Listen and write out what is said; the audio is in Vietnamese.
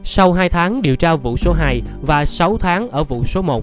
sau hai tháng điều tra vụ số hai và sáu tháng ở vụ số một